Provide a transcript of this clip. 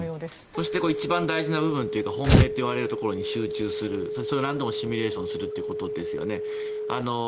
そして一番大事な部分というか本命と呼ばれるところに集中する何度もシミュレーションするということですよね。